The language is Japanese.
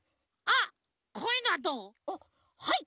あっはい